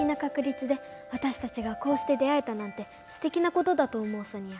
つでわたしたちがこうして出会えたなんてすてきなことだと思うソニア。